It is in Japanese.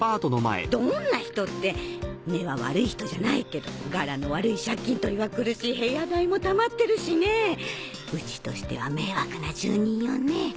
どんな人って根は悪い人じゃないけど柄の悪い借金取りは来るし部屋代もたまってるしねぇウチとしては迷惑な住人よねぇ。